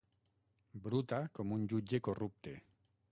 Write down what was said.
Bruta com un jutge corrupte.